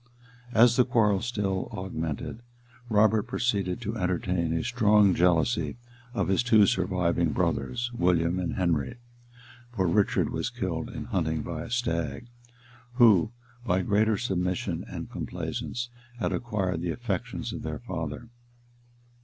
And as the quarrel still augmented, Robert proceeded to entertain a strong jealousy of his two surviving brothers, William and Henry, (for Richard was killed, in hunting, by a stag,) who, by greater submission and complaisance, had acquired the affections of their father.